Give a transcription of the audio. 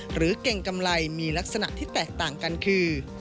เก่งกำไรมีลักษณะที่แตกต่างกันคือ